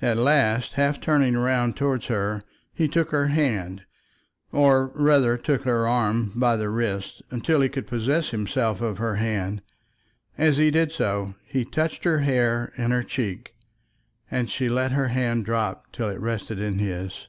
At last, half turning round towards her he took her hand, or rather took her first by the wrist till he could possess himself of her hand. As he did so he touched her hair and her cheek, and she let her hand drop till it rested in his.